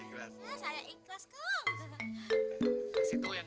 he bang zaman sekarang yang dicari duit